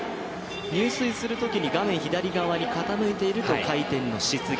入水するときに画面左側に傾いていると、回転のしすぎ。